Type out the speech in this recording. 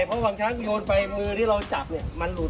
เพราะบางครั้งโยนไปมือที่เราจับเนี่ยมันหลุด